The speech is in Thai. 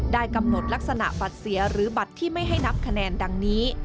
กำหนดลักษณะบัตรเสียหรือบัตรที่ไม่ให้นับคะแนนดังนี้